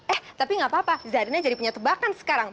eh tapi gapapa zarina jadi punya tebakan sekarang